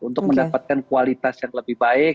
untuk mendapatkan kualitas yang lebih baik